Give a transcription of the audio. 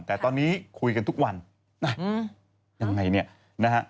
แต่ตอนนี้คุยกันทุกวันนะยังไงเนี่ยนะฮะ